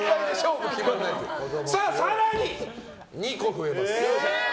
更に２個増えます。